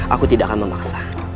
aku tidak akan memaksa